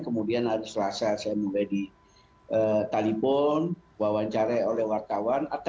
kemudian selasa saya mulai ditalipun wawancara oleh wartawan